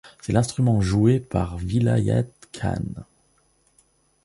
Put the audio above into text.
C'est l'instrument joué par Vilayat Khan.